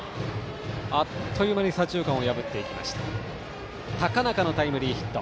あっという間に左中間を破りました高中のタイムリーヒット。